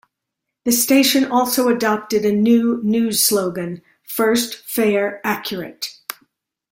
The station also adopted a new news slogan: First, Fair, Accurate.